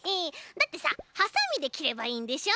だってさはさみできればいいんでしょ？